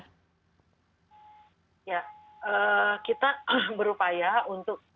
kita berupaya untuk pertama kali kita mapping ya daerah kota daerah kota